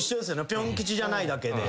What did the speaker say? ピョン吉じゃないだけで。